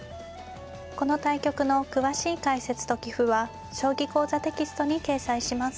この対局の詳しい解説と棋譜は「将棋講座」テキストに掲載します。